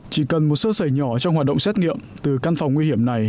chỉ cần một sơ sởi nhỏ trong hoạt động xét nghiệm từ căn phòng nguy hiểm này